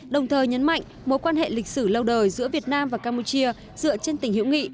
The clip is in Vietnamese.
đồng thời nhấn mạnh mối quan hệ lịch sử lâu đời giữa việt nam và campuchia dựa trên tình hữu nghị